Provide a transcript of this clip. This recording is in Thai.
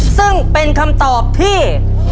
ซึ่งเป็นคำตอบที่